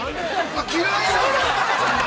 嫌いなの？